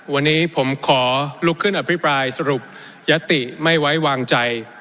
วันนี้ผมขอลุกขึ้นอภิปรายสรุปยติไม่ไว้วางใจ